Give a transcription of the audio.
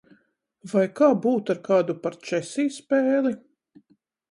Vai kā būtu ar kādu parčesi spēli?